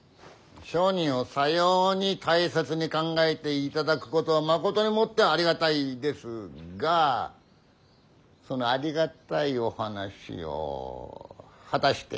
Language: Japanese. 商人をさように大切に考えていただくことはまことにもってありがたいですがそのありがたいお話を果たして誰が理解できるものか。